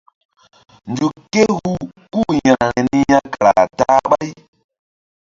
Nzuk ké hu kú-u yȩkre niya kara ta-a ɓáy.